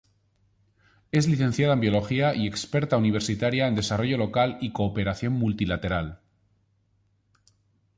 Es licenciada en Biología y experta universitaria en Desarrollo Local y Cooperación Multilateral.